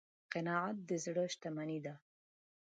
قناعت د زړه شتمني ده.